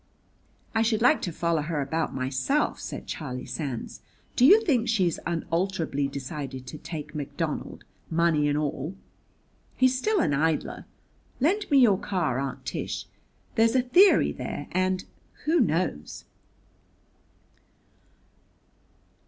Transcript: "I should like to follow her about myself," said Charlie Sands. "Do you think she's unalterably decided to take McDonald, money and all? He's still an idler. Lend me your car, Aunt Tish. There's a theory there; and who knows?"